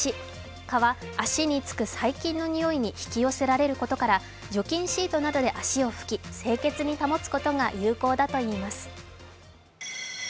蚊は足につく細菌のにおいに引き寄せられることから除菌シートなどで足を拭き清潔に保つことが有効だといいます。